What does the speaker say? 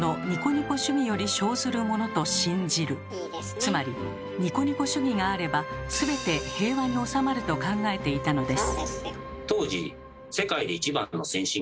つまりニコニコ主義があればすべて平和に収まると考えていたのです。